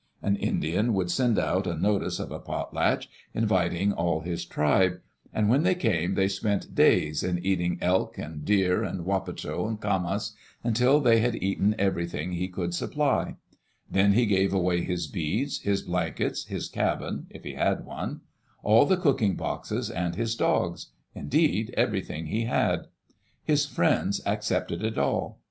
An Indian would send out a notice of a potlatch, inviting all his tribe; and Digitized by CjOOQ IC HOW THE INDIANS LIVED when they came they spent days in eating elk and deer and wapato and camas — until they had eaten everything he could supply. Then he gave away his beads, his blankets, his cabin (if he had one), all the cooking boxes, and his dogs — indeed, everything he had. His friends accepted it all.